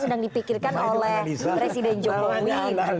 sedang dipikirkan oleh presiden jokowi